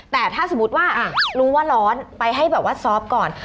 แต่ถ้าสมมุติว่ารู้ว่าร้อนไปให้แบบว่าซอฟต์ก่อน